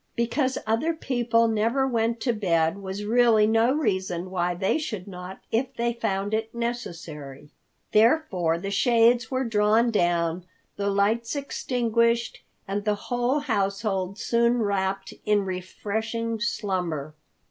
Because other people never went to bed was really no reason why they should not if they found it necessary. Therefore the shades were drawn down, the lights extinguished, and the whole household soon wrapped in refreshing slumber.